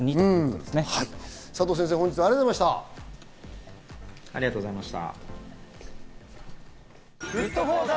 佐藤先生、本日はありがとうございました。